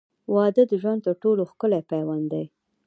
• واده د ژوند تر ټولو ښکلی پیوند دی.